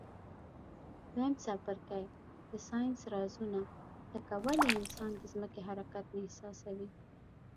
دویم څپرکی د ساینس رازونه لکه ولي انسان د ځمکي حرکت نه احساسوي.